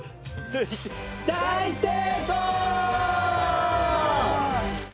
大成功！